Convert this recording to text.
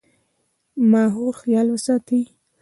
د ماحول خيال ساتئ